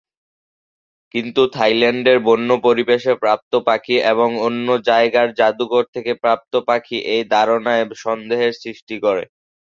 কিন্তু থাইল্যান্ডের বন্য পরিবেশে প্রাপ্ত পাখি এবং অন্য জায়গার জাদুঘর থেকে প্রাপ্ত পাখি এই ধারণায় সন্দেহের সৃষ্টি করে।